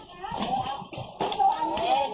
กลับมาโรงเรียก